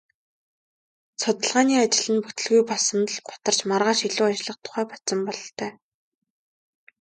Судалгааны ажил нь бүтэлгүй болсонд л гутарч маргааш илүү ажиллах тухай бодсон бололтой.